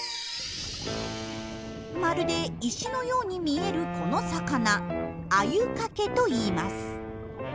まるで石のように見えるこの魚「アユカケ」といいます。